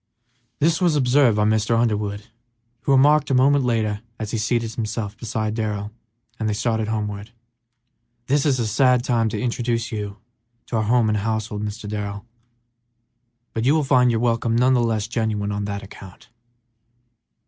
This was observed by Mr. Underwood, who remarked a moment later as he seated himself beside Darrell and they started homeward, "This is a sad time to introduce you to our home and household, Mr. Darrell, but you will find your welcome none the less genuine on that account."